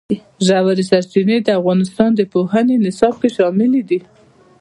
ژورې سرچینې د افغانستان د پوهنې نصاب کې شامل دي.